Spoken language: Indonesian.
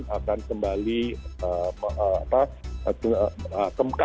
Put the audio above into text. wisatawan akan kembali